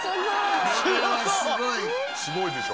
すごいでしょ。